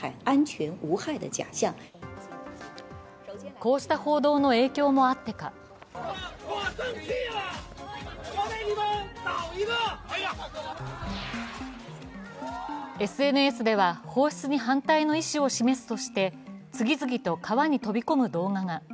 こうした報道の影響もあってかＳＮＳでは放出に反対の意思を示すとして、次々と川に飛び込む動画が。